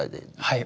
はい。